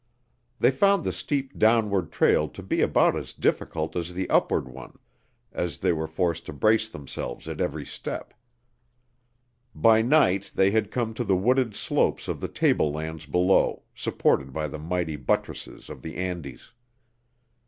They found the steep downward trail to be about as difficult as the upward one, as they were forced to brace themselves at every step. By night they had come to the wooded slopes of the table lands below, supported by the mighty buttresses of the Andes.